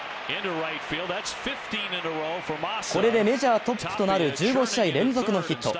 これでメジャートップとなる１５試合連続のヒット！